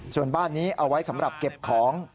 ส่วนบ้านนี้เอาไว้สำหรับเก็บของ